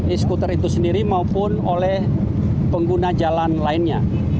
e scooter itu sendiri maupun oleh pengguna jalan lainnya